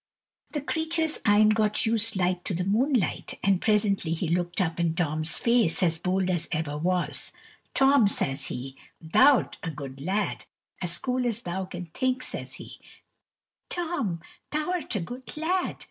The creature's eyne got used like to the moonlight, and presently he looked up in Tom's face as bold as ever was; "Tom," says he, "thou 'rt a good lad!" as cool as thou can think, says he, "Tom, thou 'rt a good lad!"